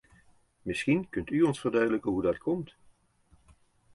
Misschien kunt u ons verduidelijken hoe dat komt?